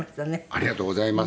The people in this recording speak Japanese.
ありがとうございます。